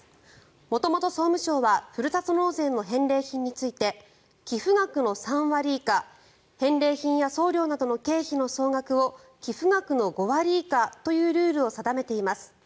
元々、総務省はふるさと納税の返礼品について寄付額の３割以下返礼品や送料などの経費の総額を寄付額の５割以下というルールを定めています。